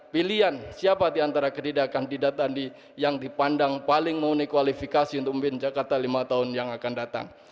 pilihan siapa diantara ketidakandidatan yang dipandang paling mengunik kualifikasi untuk memimpin jakarta lima tahun yang akan datang